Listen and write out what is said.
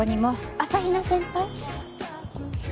朝日奈先輩？